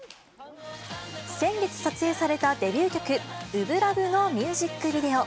先月撮影されたデビュー曲、初心ＬＯＶＥのミュージックビデオ。